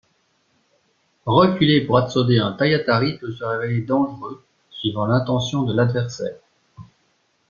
Reculer pour absoder un taiatari peut se révéler dangereux, suivant l'intention de l'adversaire.